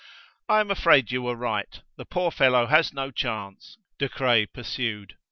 "I am afraid you were right; the poor fellow has no chance," De Craye pursued.